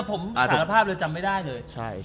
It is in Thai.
ผมสารภาพเลยจำไม่ได้เลย